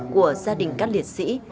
của gia đình các liệt sĩ